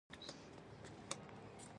مسافر ته دعا کول د مور او میرمنې کار دی.